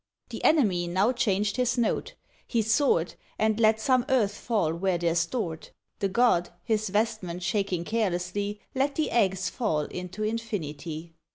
The enemy now changed his note; he soared, And let some earth fall where they're stored; The god, his vestment shaking carelessly, Let the eggs fall into infinity.